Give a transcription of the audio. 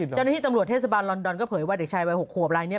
เจ้าหน้าที่ตำรวจเทศบาลลอนดอนก็เผยว่าเด็กชายวัย๖ขวบลายนี้